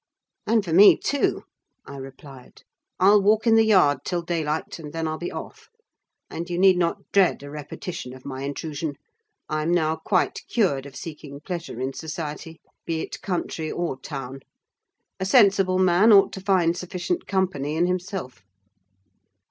"And for me, too," I replied. "I'll walk in the yard till daylight, and then I'll be off; and you need not dread a repetition of my intrusion. I'm now quite cured of seeking pleasure in society, be it country or town. A sensible man ought to find sufficient company in himself."